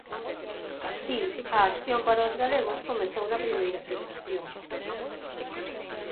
Así, a acción para os galegos comezou na Primeira Federación.